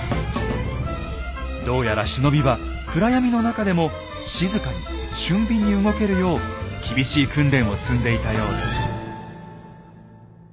どうやら忍びは暗闇の中でも静かに俊敏に動けるよう厳しい訓練を積んでいたようです。